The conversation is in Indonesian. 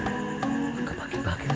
enggak pake pake lagi